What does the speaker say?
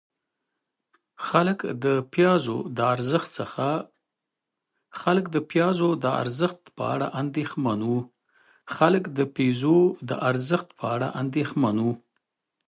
خلک د پیزو د ارزښت په اړه اندېښمن وو.